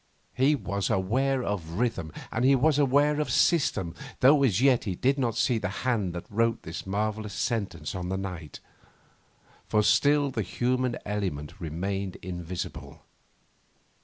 He was aware of rhythm, and he was aware of system, though as yet he did not see the hand that wrote this marvellous sentence on the night. For still the human element remained invisible.